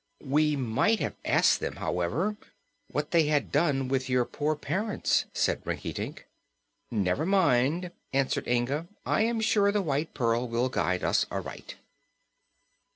"We might have asked them, however, what they had done with your poor parents," said Rinkitink. "Never mind," answered Inga. "I am sure the White Pearl will guide us aright."